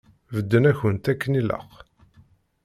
Bedden-akent akken ilaq?